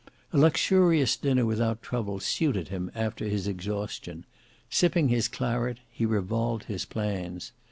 A luxurious dinner without trouble, suited him after his exhaustion; sipping his claret, he revolved his plans.